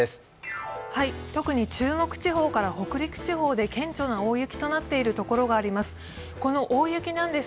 特に中国地方から北陸地方で顕著な大雪となっているところがあります。